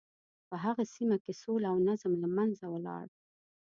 په هغه سیمه کې سوله او نظم له منځه ولاړ.